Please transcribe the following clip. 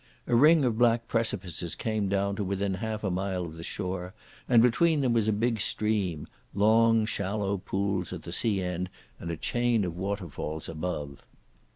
A ring of black precipices came down to within half a mile of the shore, and between them was a big stream—long, shallow pools at the sea end and a chain of waterfalls above.